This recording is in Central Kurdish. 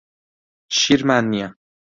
شیرمان نییە.